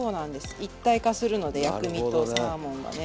一体化するので薬味とサーモンがね。